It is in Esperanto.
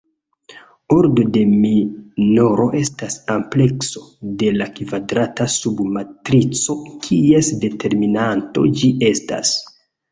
Ordo de minoro estas amplekso de la kvadrata sub-matrico kies determinanto ĝi estas.